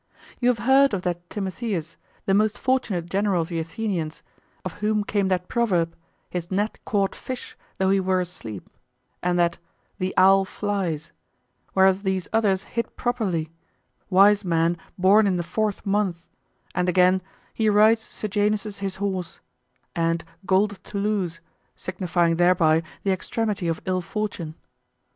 You have heard of that Timotheus, the most fortunate general of the Athenians, of whom came that proverb, "His net caught fish, though he were asleep;" and that "The owl flies;" whereas these others hit properly, wise men "born in the fourth month;" and again, "He rides Sejanus's his horse;" and "gold of Toulouse," signifying thereby the extremity of ill fortune.